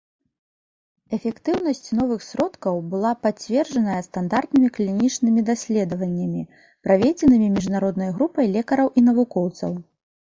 Эфектыўнасць новых сродкаў была пацверджаная стандартнымі клінічнымі даследаваннямі, праведзенымі міжнароднай групай лекараў і навукоўцаў.